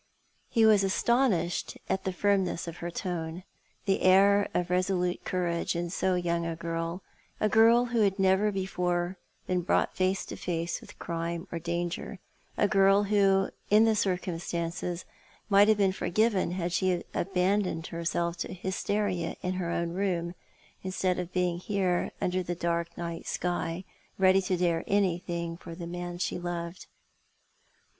" He was astonished at the firmness of her tone, the air of resolute courage in so young a girl ; a girl who never before had been brought face to face with crime or danger ; a girl who, in the circumstances, might have been forgiven had she abandoned herself to hysteria in her own room, instead of being here under the dark night sky, ready to dare anything for the man she loved.